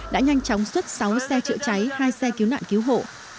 đã nhanh chóng xuất sáu xe chữa cháy hai xe cứu nạn cứu hộ